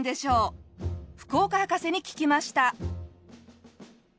福岡博士に聞きました。